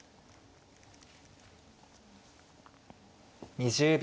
２０秒。